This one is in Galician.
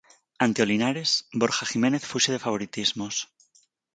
Ante o Linares, Borja Jiménez fuxe de favoritismos.